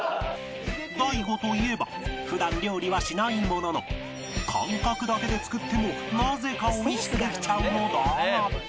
大悟といえば普段料理はしないものの感覚だけで作ってもなぜかおいしくできちゃうのだが